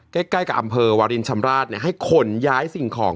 ใกล้กับอำเภอวารินชำราบให้ขนย้ายสิ่งของ